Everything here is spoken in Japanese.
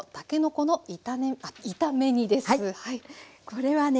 これはね